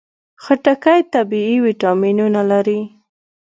خټکی طبیعي ویټامینونه لري.